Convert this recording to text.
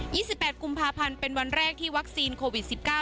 ี่สิบแปดกุมภาพันธ์เป็นวันแรกที่วัคซีนโควิดสิบเก้า